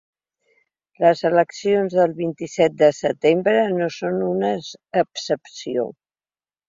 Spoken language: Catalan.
Les eleccions del vint-i-set de setembre no són una excepció.